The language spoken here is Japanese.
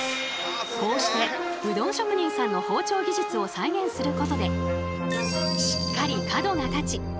こうしてうどん職人さんの包丁技術を再現することでしっかり角が立ちのどごしのいいうどんに。